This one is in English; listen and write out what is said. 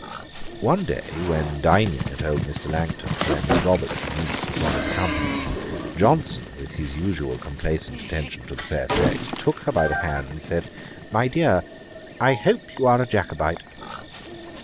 One day when dining at old Mr. Langton's where Miss Roberts, his niece, was one of the company, Johnson, with his usual complacent attention to the fair sex, took her by the hand and said, 'My dear, I hope you are a Jacobite.'